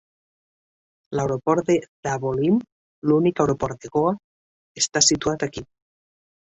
L'aeroport de Dabolim, l'únic aeroport de Goa, està situat aquí.